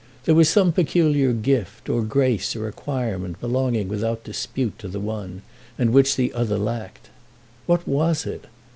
There was some peculiar gift, or grace, or acquirement belonging without dispute to the one, and which the other lacked. What was it?